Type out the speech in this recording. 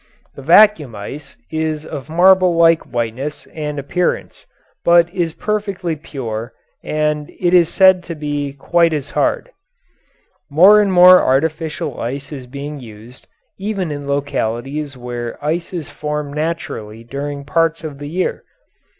The vacuum ice is of marble like whiteness and appearance, but is perfectly pure, and it is said to be quite as hard. More and more artificial ice is being used, even in localities where ice is formed naturally during parts of the year.